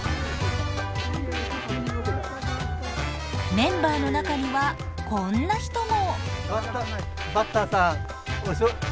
メンバーの中にはこんな人も。